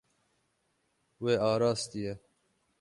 Wê arastiye.